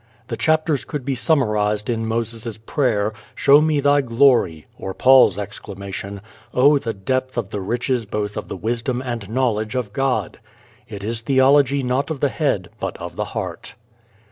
The chapters could be summarized in Moses' prayer, "Show me thy glory," or Paul's exclamation, "O the depth of the riches both of the wisdom and knowledge of God!" It is theology not of the head but of the heart.